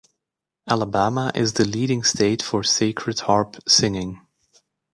Alabama is the leading state for Sacred Harp singing.